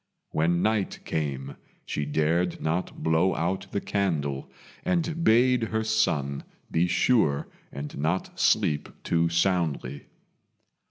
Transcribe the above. When night came she dared not blow out the candle, and bade her son be sure and not sleep too soundly.